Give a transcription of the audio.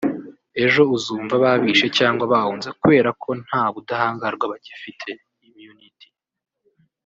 Ejo uzumva babishe cyangwa bahunze kubera ko nta budahangarwa bagifite (immunity)